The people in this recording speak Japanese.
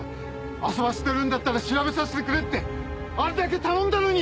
遊ばせてるんだったら調べさせてくれってあれだけ頼んだのに！